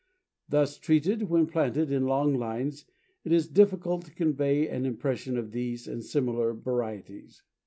Thus treated, when planted in long lines, it is difficult to convey an impression of these and similar varieties."